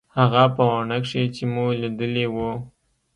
هغه په واڼه کښې چې مو ليدلي وو.